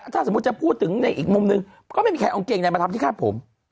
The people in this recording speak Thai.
ถ้าสมมุติจะพูดถึงในอีกมุมหนึ่งก็ไม่มีใครเอาเกงใดมาทำที่คาดผม